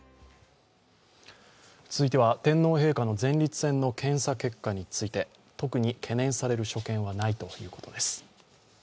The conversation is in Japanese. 続いては、天皇陛下の前立腺の検査結果について、特に懸念される所見はないということです。